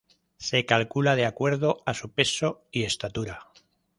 Se calcula de acuerdo a su peso y estatura